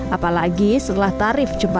apalagi setelah tarif jembatan